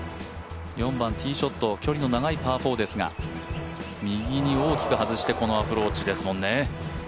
４番ティーショット、距離の長いパー４ですが右に大きく外してこのアプローチですもんね。